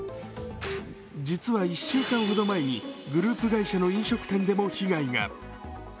実は１週間ほど前にグループ会社の飲食店でも被害が。